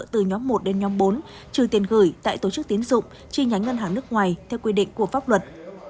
từ nhóm một đến nhóm bốn trừ tiền gửi tại tổ chức tiến dụng chi nhánh ngân hàng nước ngoài theo quy định của pháp luật